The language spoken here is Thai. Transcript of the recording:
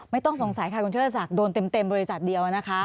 ไม่ต้องสงสัยค่ะคุณเชิดศักดิ์โดนเต็มบริษัทเดียวนะคะ